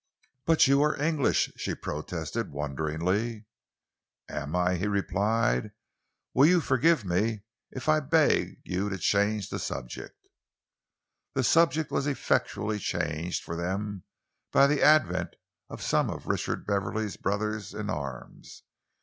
"But you are English?" she protested wonderingly. "Am I?" he replied. "Will you forgive me if I beg you to change the subject?" The subject was effectually changed for them by the advent of some of Richard Beverley's brothers in arms.